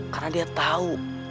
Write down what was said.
karena dia tau